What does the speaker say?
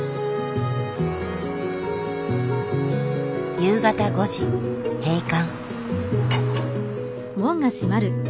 夕方５時閉館。